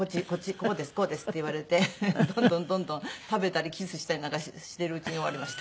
こうです」って言われてどんどんどんどん食べたりキスしたりなんかしてるうちに終わりました。